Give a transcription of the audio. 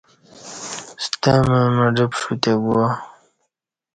ستمع مڑہ پݜو تہ گوا